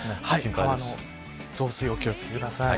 川の増水にお気を付けください。